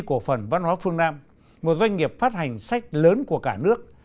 cổ phần văn hóa phương nam một doanh nghiệp phát hành sách lớn của cả nước